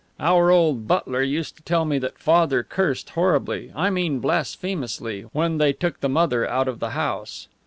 Our old butler used to tell me that Father cursed horribly, I mean blasphemously, when they took the mother out of the house.